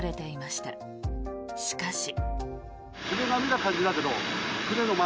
しかし。